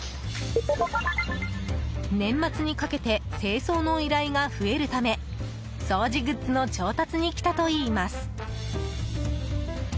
年末にかけて清掃の依頼が増えるため掃除グッズの調達に来たといいます。